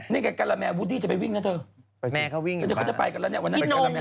นี่กับการาแมววูดี้จะไปวิ่งนะเถอะแมวเขาวิ่งอยู่บ้าง